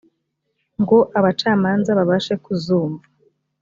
ngo abacamanza babashe kuzumva